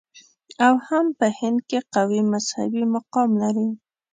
او هم په هند کې قوي مذهبي مقام لري.